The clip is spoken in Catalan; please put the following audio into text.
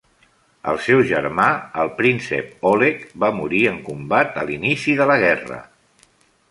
El seu germà, el Príncep Oleg, va morir en combat a l'inici de la guerra.